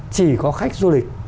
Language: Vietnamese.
chỉ có khách du lịch